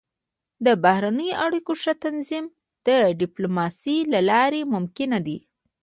د بهرنیو اړیکو ښه تنظیم د ډيپلوماسۍ له لارې ممکن دی.